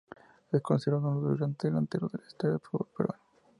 Es considerado uno de los grandes delanteros de la historia del fútbol peruano.